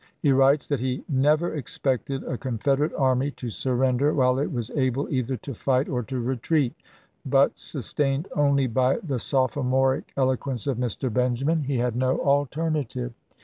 He writes that he " never expected a Confederate army to surrender while it was able either to fight or to retreat"; but, sustained only by the sophomoric eloquence of Mr. Benjamin, he had no alternative.